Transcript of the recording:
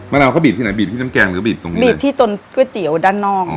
มะนาวเข้าบีบที่ไหนบีบที่น้ำแกงหรือบีบที่ตรงข้าง